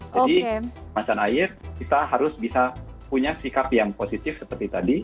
jadi macan air kita harus bisa punya sikap yang positif seperti tadi